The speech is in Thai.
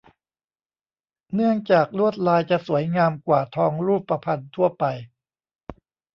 เนื่องจากลวดลายจะสวยงามกว่าทองรูปพรรณทั่วไป